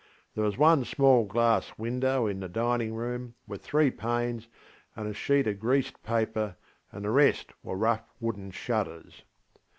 There was one small glass window in the ŌĆśdining roomŌĆÖ with three panes and a sheet of greased paper, and the rest were rough wooden shutters.